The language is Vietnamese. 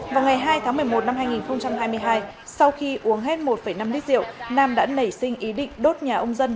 vào ngày hai tháng một mươi một năm hai nghìn hai mươi hai sau khi uống hết một năm lít rượu nam đã nảy sinh ý định đốt nhà ông dân